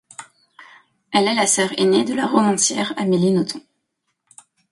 Elle est la sœur aînée de la romancière Amélie Nothomb.